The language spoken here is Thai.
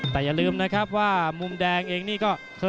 แต่อย่าลืมนะครับว่ามุมแดงเองนี่ก็เคย